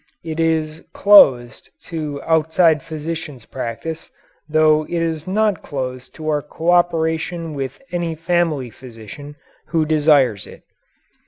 It is "closed" to outside physicians' practice, though it is not closed to our cooperation with any family physician who desires it.